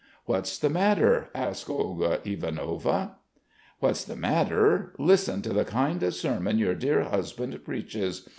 "What's the matter?" asked Olga Ivanovna. "What's the matter! Listen to the kind of sermon your dear husband preaches.